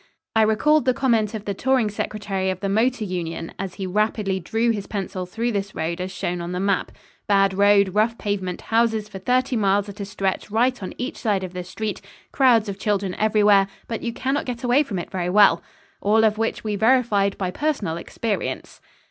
I recalled the comment of the Touring Secretary of the Motor Union as he rapidly drew his pencil through this road as shown on the map: "Bad road, rough pavement, houses for thirty miles at a stretch right on each side of the street, crowds of children everywhere but you cannot get away from it very well." All of which we verified by personal experience.